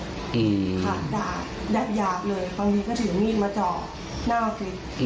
ผ่านด่าหยาบหยาบเลยบางทีก็ถึงนี่มาเจาะหน้าฟิต